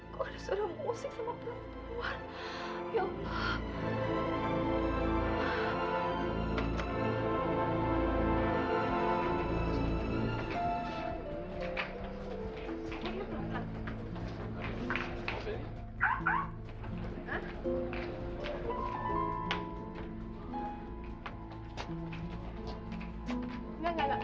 aku ada suara musik sama peluru keluar